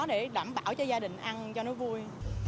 để đảm bảo cho gia đình ăn cho nó vui